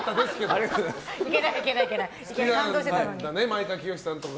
前川清さんとか。